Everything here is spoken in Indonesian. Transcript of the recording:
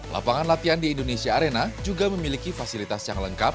lapangan latihan di indonesia arena juga memiliki fasilitas yang lengkap